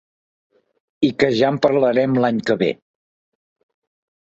I que ja en parlarem l'any que ve.